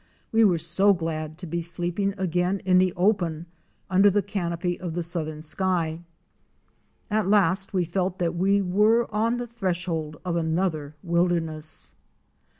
We were so glad to be sleeping again in the open under the canopy of the southern sky. At last we felt that we were on the threshold of another wilderness.